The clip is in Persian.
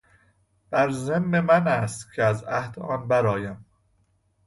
بر ذمه من است که از عهدهُ آن برآیم.